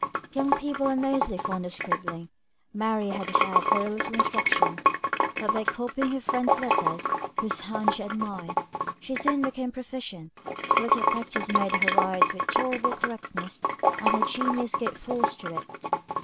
Young people are mostly fond of scribbling; Mary had had very little instruction; but by copying her friend's letters, whose hand she admired, she soon became a proficient; a little practice made her write with tolerable correctness, and her genius gave force to it.